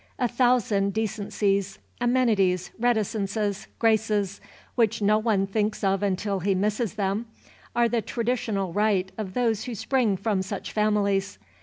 A thousand decencies, amenities, reticences, graces, which no one thinks of until he misses them, are the traditional right of those who spring from such families.